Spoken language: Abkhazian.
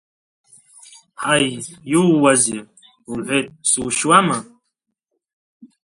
Ҳаи, иууазеи, — лҳәеит, сушьуама?